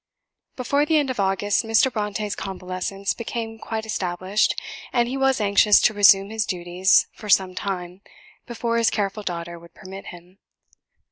Before the end of August, Mr. Brontë's convalescence became quite established, and he was anxious to resume his duties for some time before his careful daughter would permit him.